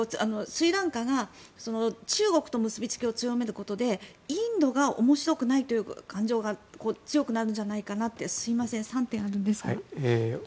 スリランカが中国と結びつきを強めることでインドが面白くないという感情が強くなるんじゃないかなってすみません、３点あるんですが。